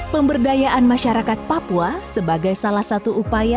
pemberdayaan masyarakat papua sebagai salah satu upaya